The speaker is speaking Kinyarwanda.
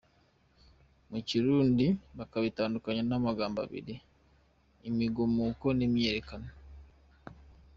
Mu Kirundi bakabitandukanya mu magambo abiri “Imigumuko n’ imyiyerekano”.